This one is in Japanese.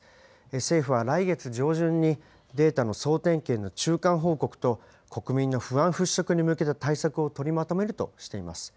政府は来月上旬にデータの総点検の中間報告と、国民の不安払拭に向けた対策を取りまとめるとしています。